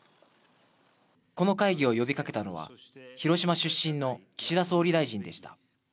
この会議を呼びかけたのは、広島出身の岸田総理大臣でした。